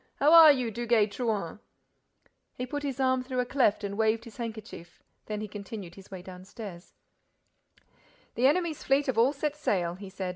—How are you, Duguay Trouin?" He put his arm through a cleft and waved his handkerchief. Then he continued his way downstairs: "The enemy's fleet have set all sail," he said.